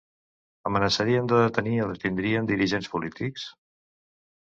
Amenaçarien de detenir o detindrien dirigents polítics?